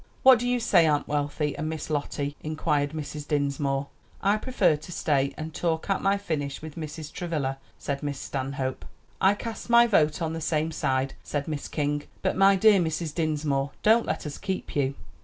"What do you say, Aunt Wealthy and Miss Lottie?" inquired Mrs. Dinsmore. "I prefer to stay and talk out my finish with Mrs. Travilla," said Miss Stanhope. "I cast my vote on the same side," said Miss King. "But, my dear Mrs. Dinsmore, don't let us keep you."